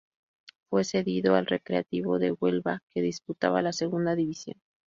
Fue cedido al Recreativo de Huelva, que disputaba la segunda división.